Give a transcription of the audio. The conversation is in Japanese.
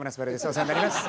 お世話になります。